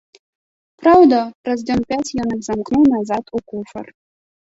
Праўда, праз дзён пяць ён іх замкнуў назад у куфар.